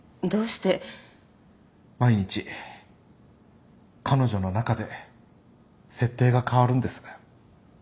毎日彼女の中で設定が変わるんです。